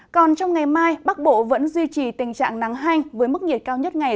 còn trong ngày mai bắc bộ vẫn duy trì tình trạng nắng hanh với mức nhiệt cao nhất ngày